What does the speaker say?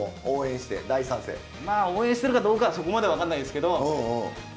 まあ応援してるかどうかはそこまでは分かんないですけど。